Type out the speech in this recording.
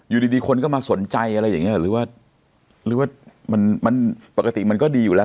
อยู่ดีคนก็มาสนใจอะไรอย่างเงี้ยหรือว่าหรือว่ามันปกติมันก็ดีอยู่แล้ว